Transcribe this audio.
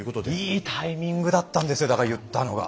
いいタイミングだったんですよだから言ったのが。